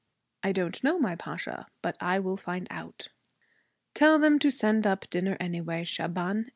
'I don't know, my Pasha, but I will find out.' 'Tell them to send up dinner anyway, Shaban.